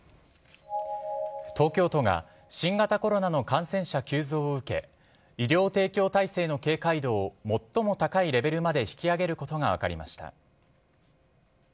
東京都が新型コロナの感染者急増を受け医療提供体制の警戒度を最も高いレベルまで引き上げることが分かりました。